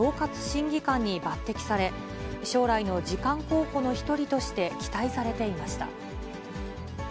審議官に抜てきされ、将来の次官候補の一人として期待されていました。